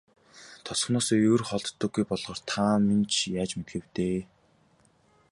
Тосгоноосоо ер холддоггүй болохоор та минь ч яаж мэдэх вэ дээ.